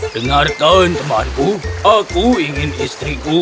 dengarkan temanku aku ingin istriku untuk makan beberapa hari